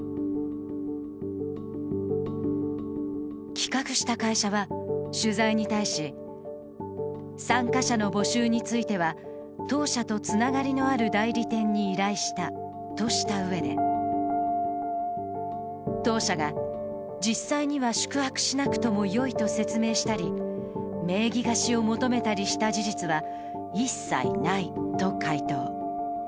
企画した会社は取材に対し、参加者の募集については当社とつながりのある代理店に依頼したとしたうえで当社が実際には宿泊しなくてもよいと説明したり、名義貸しを求めたりした事実は一切ないと回答。